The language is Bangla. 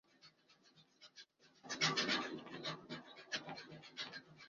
সামষ্টিক ইতিহাস ক্ষুদ্র ইতিহাস থেকে ভিন্ন, ক্ষুদ্র ইতিহাসের মধ্যে রয়েছে ইতিহাসের একক ঘটনার কঠোর ও গভীর অধ্যয়ন।